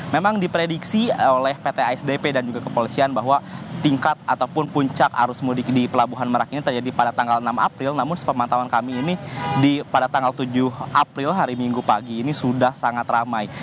memang diprediksi oleh pt asdp dan juga kepolisian bahwa tingkat ataupun puncak arus mudik di pelabuhan merak ini terjadi pada tanggal enam april namun sepemantauan kami ini pada tanggal tujuh april hari minggu pagi ini sudah sangat ramai